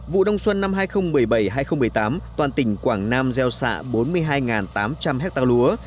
vụ đông xuân năm hai nghìn một mươi bảy hai nghìn một mươi tám toàn tỉnh quảng nam gieo xạ bốn mươi hai tám trăm linh hectare lúa